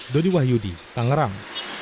dodi wahyudi tangerang